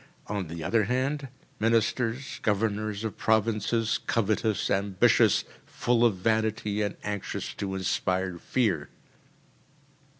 On the other hand: ministers, governors of provinces, covetous, ambitious, full of vanity, and anxious to inspire fear.